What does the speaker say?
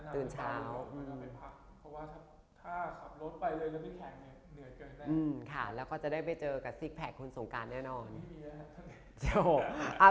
ตื่นเช้าอืมค่ะแล้วก็จะได้ไปเจอกับซิกแพคคุณสงกรานด์แน่นอนไม่มีเนี่ย